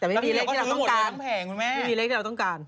แต่ไม่มีเลขที่เราต้องการไม่มีเลขที่เราต้องการ